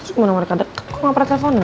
masuk kemana mereka deket kok gak pernah telfonan